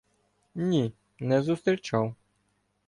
— Ні, не зустрічав.